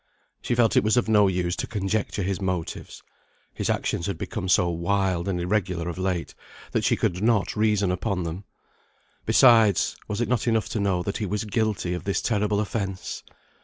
She felt it was of no use to conjecture his motives. His actions had become so wild and irregular of late, that she could not reason upon them. Besides, was it not enough to know that he was guilty of this terrible offence?